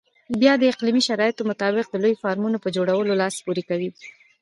بیا د اقلیمي شرایطو مطابق د لویو فارمونو په جوړولو لاس پورې کوي.